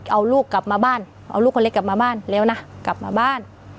เอาลูกกลับมาบ้านเอาลูกคนเล็กกลับมาบ้านแล้วนะกลับมาบ้าน